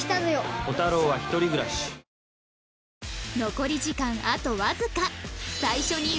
残り時間あとわずか